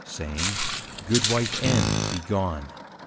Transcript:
_ saying, _Goodwife N. Be gone!